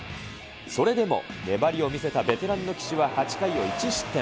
それでも粘りを見せたベテランの岸は８回を１失点。